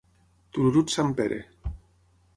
Tururut, sant Pere.